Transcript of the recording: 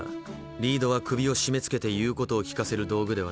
リードは首を締めつけて言うことを聞かせる道具ではない。